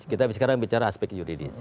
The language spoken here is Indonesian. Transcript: kita sekarang bicara aspek yuridis